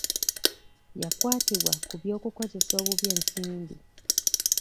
Yakwatibwa ku by'okukozesa obubi ensimbi.